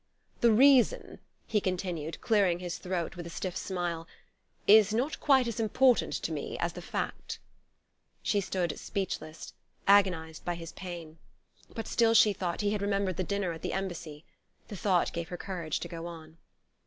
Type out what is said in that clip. "The reason," he continued, clearing his throat with a stiff smile, "is not quite as important to me as the fact." She stood speechless, agonized by his pain. But still, she thought, he had remembered the dinner at the Embassy. The thought gave her courage to go on.